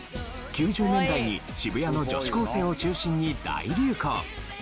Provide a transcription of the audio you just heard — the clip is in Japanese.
９０年代に渋谷の女子高生を中心に大流行！